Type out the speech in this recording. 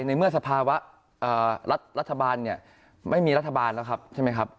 ในเมื่อสภาวะรัฐบาลไม่มีรัฐบาลนะครับ